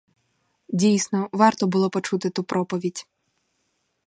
Дійсно, варто було почути ту проповідь.